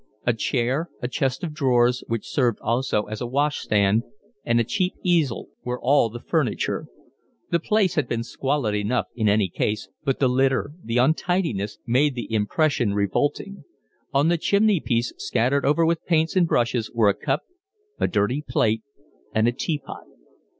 A chair, a chest of drawers which served also as a wash stand, and a cheap easel, were all the furniture. The place would have been squalid enough in any case, but the litter, the untidiness, made the impression revolting. On the chimney piece, scattered over with paints and brushes, were a cup, a dirty plate, and a tea pot.